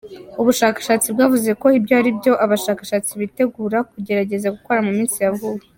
Ubushakashatsi bwavuze ko ibyo ari byo abashakashatsi bitegura kugerageza gukora mu minsi ya vuba.